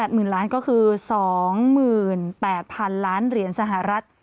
หมื่นล้านก็คือ๒๘๐๐๐ล้านเหรียญสหรัฐ